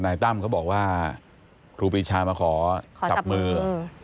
ทนัยตั้มก็บอกว่าครูปริชามาขอจับมือ